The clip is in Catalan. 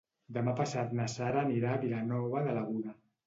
Demà passat na Sara anirà a Vilanova de l'Aguda.